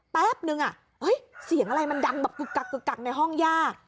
แป๊บนึงอ่ะเฮ้ยเสียงอะไรมันดังแบบกึกกักในห้องย่า